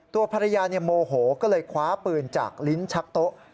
ตัวภรรยาโมโหก็เลยคว้าปืนจากลิ้นชักโต๊ะ